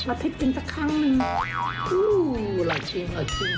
อาทิตย์กินสักครั้งหนึ่งอู้วอร่อยจริง